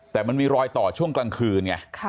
แต่มันมีรอยต่อช่วงกลางคืนไง